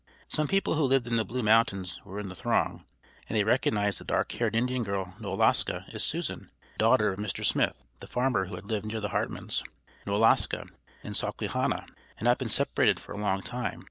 Some people who lived in the Blue Mountains were in the throng, and they recognized the dark haired Indian girl Knoloska as Susan, the daughter of Mr. Smith, the farmer who had lived near the Hartmans. Knoloska and Sawquehanna had not been separated for a long time.